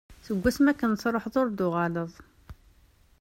Seg wasmi akken i truḥeḍ ur d-tuɣaleḍ.